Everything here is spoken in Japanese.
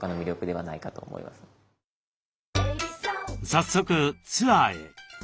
早速ツアーへ。